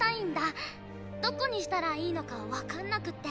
どこにしたらいいのか分かんなくって。